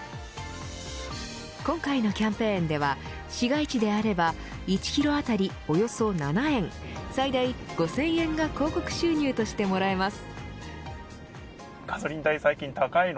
今回のキャンペーンでは市街地であれば１キロ当たりおよそ７円最大５０００円が広告収入としてもらえます。